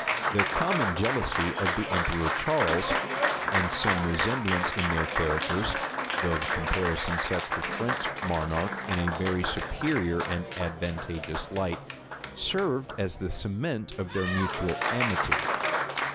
Their common jealousy of the emperor Charles, and some resemblance in their characters, (though the comparison sets the French monarch in a very superior and advantageous light,) served as the cement of their mutual amity.